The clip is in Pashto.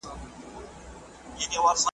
چي زندان تر آزادۍ ورته بهتر وي .